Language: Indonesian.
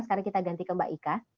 sekarang kita ganti ke mbak ika